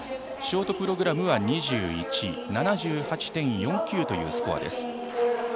ショートプログラムは２１位７８．４９というスコアです。